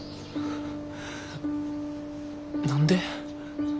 何で。